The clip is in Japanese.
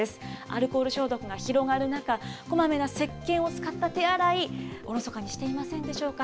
アルコール消毒が広がる中、こまめなせっけんを使った手洗い、おろそかにしていませんでしょうか。